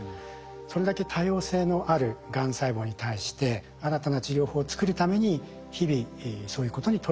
それだけ多様性のあるがん細胞に対して新たな治療法を作るために日々そういうことに取り組む。